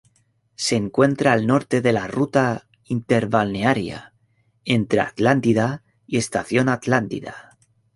Se encuentra al norte de la Ruta Interbalnearia, entre Atlántida y Estación Atlántida.